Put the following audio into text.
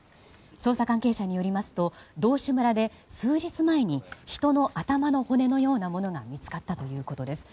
捜査関係者によりますと道志村で数日前に人の頭の骨のようなものが見つかったということです。